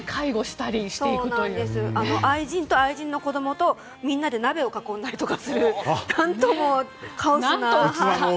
愛人と、愛人の子供とみんなで鍋を囲んだりする何ともカオスな。